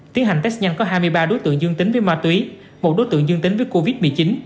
tiến hành test nhanh có hai mươi ba đối tượng dương tính với ma túy một đối tượng dương tính với covid một mươi chín